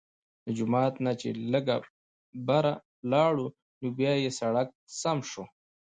د جومات نه چې لږ بره لاړو نو بيا پۀ سړک سم شو